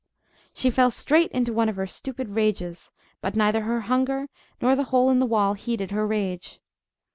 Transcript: She fell straight into one of her stupid rages; but neither her hunger nor the hole in the wall heeded her rage.